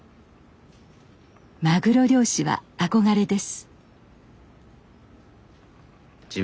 マグロ漁師は憧れです。